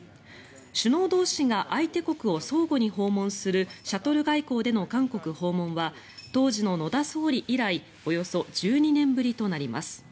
首脳同士が相手国を相互に訪問するシャトル外交での韓国への訪問は当時の野田総理以来およそ１２年ぶりとなります。